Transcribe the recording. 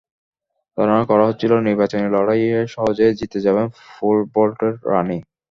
ধারণা করা হচ্ছিল, নির্বাচনী লড়াইয়ে সহজেই জিতে যাবেন পোল ভল্টের রানি।